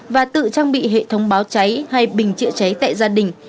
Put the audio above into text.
và tự trang bị hệ thống báo cháy hay bình chữa cháy tại gia đình